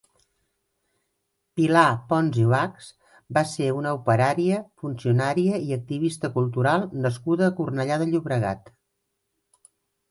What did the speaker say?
Pilar Pons i Lax va ser una operària, funcionària i activista cultural nascuda a Cornellà de Llobregat.